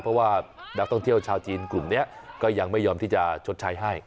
เพราะว่านักท่องเที่ยวชาวจีนกลุ่มนี้ก็ยังไม่ยอมที่จะชดใช้ให้